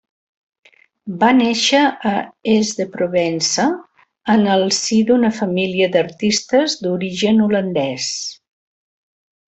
Va néixer a Ais de Provença, en el si d'una família d'artistes d'origen holandès.